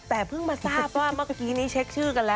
แต่เพิ่งมาทราบว่าเมื่อกี้นี้เช็คชื่อกันแล้ว